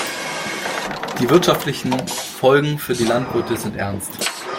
Die wirtschaftlichen Folgen für die Landwirte sind ernst.